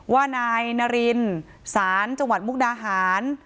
ว่านายนารินสารจังหวัดมุกดาหาร